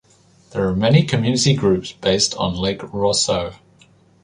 There are many community groups based on Lake Rosseau.